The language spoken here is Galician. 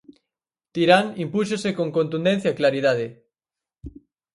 Tirán impúxose con contundencia e claridade.